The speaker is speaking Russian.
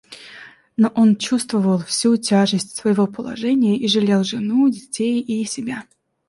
Но он чувствовал всю тяжесть своего положения и жалел жену, детей и себя.